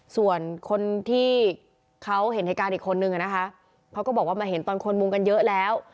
ส่วนคนที่เขาเห็นเหตุการณ์อีกคนนึงอะนะคะเขาก็บอกว่ามาเห็นตอนคนมุงกันเยอะแล้ว